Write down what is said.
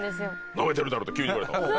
「ナメてるだろ」って急に言われたの？